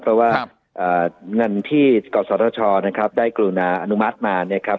เพราะว่าเอ่อเงินที่กรสรภชรนะครับได้กรุณาอนุมัติมานะครับ